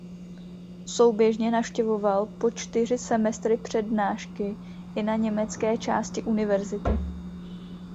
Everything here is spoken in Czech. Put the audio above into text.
Souběžně navštěvoval po čtyři semestry přednášky i na německé části university.